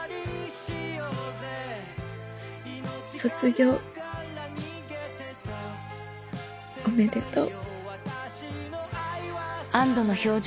卒業おめでとう。